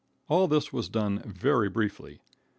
All this was done very briefly.